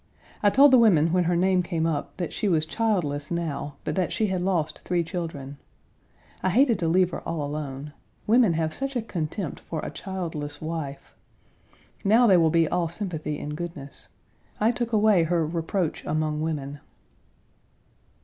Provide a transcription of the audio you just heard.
I told the women when her name came up that she was childless now, but that she had lost three children. I hated to leave her all alone. Women have such a contempt for a childless wife. Now, they will be all sympathy and goodness. I took away her "reproach among women."